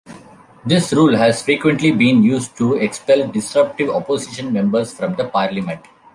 This rule has frequently been used to expel disruptive opposition members from the parliament.